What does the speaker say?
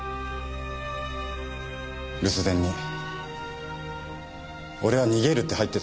留守電に俺は逃げるって入ってたんです。